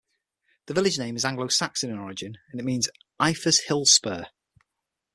The village name is Anglo-Saxon in origin, and means 'Ifa's hill-spur'.